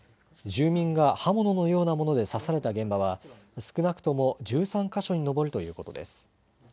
住民が刃物のようなもので刺された現場は少なくとも１３か所に上るということです。